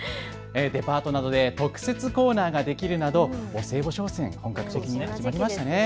デパートなどで特設コーナーができるなどお歳暮商戦が本格的に始まりましたね。